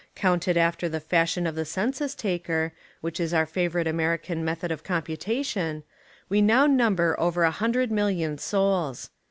Counted after the fashion of the census taker, which is our favourite American method of computation, we now number over a hundred million souls.